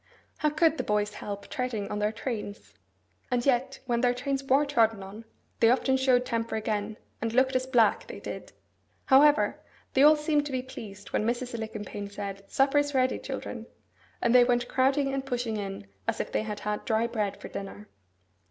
How could the boys help treading on their trains? And yet when their trains were trodden on, they often showed temper again, and looked as black, they did! However, they all seemed to be pleased when Mrs. Alicumpaine said, 'Supper is ready, children!' And they went crowding and pushing in, as if they had had dry bread for dinner.